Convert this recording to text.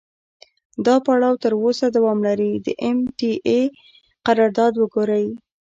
دا پړاو تر اوسه دوام لري، د ام ټي اې قرارداد وګورئ.